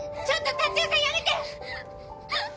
ちょっと達代さんやめて！